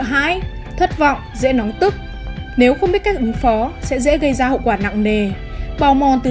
hãi thất vọng dễ nóng tức nếu không biết cách ứng phó sẽ dễ gây ra hậu quả nặng nề bào mòn từ